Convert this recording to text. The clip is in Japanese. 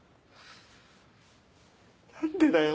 何でだよ。